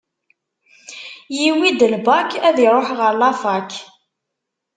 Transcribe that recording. Yiwi-d lbak, ad iruḥ ɣer lafak